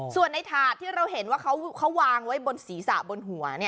ส่วนในถาดที่เราเห็นว่าเขาวางไว้บนศีรษะบนหัว